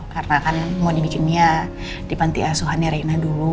karena kan mau dibikinnya di panti asuhannya reina dulu